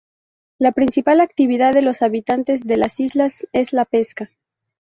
La principal actividad de los habitantes de las islas es la pesca.